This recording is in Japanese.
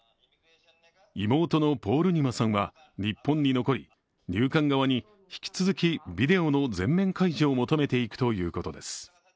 妹のポールニマさんは日本に残り入管側に引き続き、ビデオの全面開示を求めていくということです。